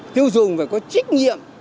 tiêu dùng phải có trích nhiệm